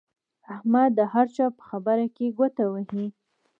احمد د هر چا په خبره کې ګوته وهي.